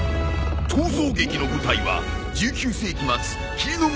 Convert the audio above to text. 逃走劇の舞台は１９世紀末霧の都